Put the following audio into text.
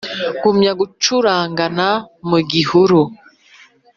Ngumya gucuragana mu gihuru